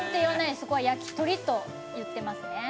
そこは焼き鳥と言ってますね。